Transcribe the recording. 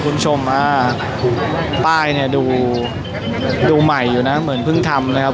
คุณผู้ชมอ่าป้ายเนี่ยดูใหม่อยู่นะเหมือนเพิ่งทำนะครับ